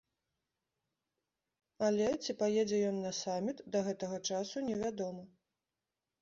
Але, ці паедзе ён на саміт, да гэтага часу не вядома.